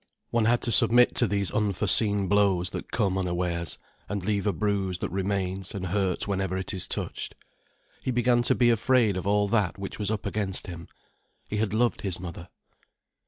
One had to submit to these unforeseen blows that come unawares and leave a bruise that remains and hurts whenever it is touched. He began to be afraid of all that which was up against him. He had loved his mother.